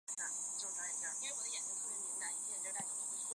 小田原方向的车辆不可在此交流道前往一般道路。